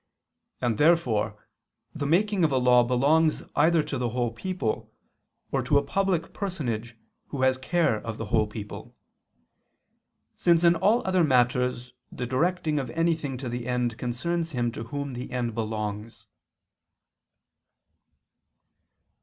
And therefore the making of a law belongs either to the whole people or to a public personage who has care of the whole people: since in all other matters the directing of anything to the end concerns him to whom the end belongs.